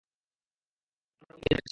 আমরা বোম্বে যাচ্ছি!